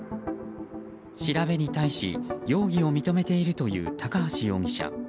調べに対し容疑を認めているという高橋容疑者。